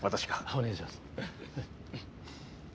お願いします。